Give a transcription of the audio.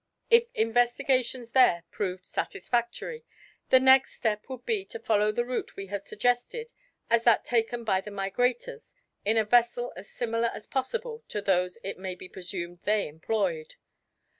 If investigations there proved satisfactory, the next step would be to follow the route we have suggested as that taken by the migrators in a vessel as similar as possible to those it may be presumed they employed.